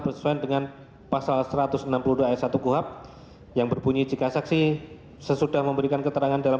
sesuai dengan pasal satu ratus enam puluh dua s satu kuhap yang berbunyi jika saksi sesudah memberikan keterangan dalam